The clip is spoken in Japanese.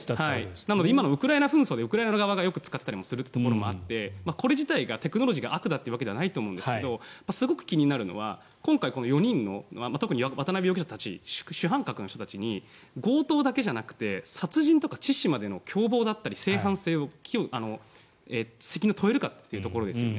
なので今のウクライナ紛争でウクライナ側がよく使っていることもあってこれ自体がテクノロジーが悪だというわけじゃないと思うんですがすごく気になるのは今回の４人の特に渡邉容疑者主犯格の人たちに強盗だけじゃなくて殺人とか致死までの共謀だったり正犯性の責任を問えるかというところですよね。